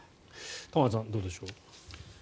玉川さん、どうでしょう。